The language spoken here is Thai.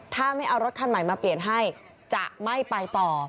ถ้าไม่เอารถคันใหม่มาเปลี่ยนให้จะไม่ไปต่อ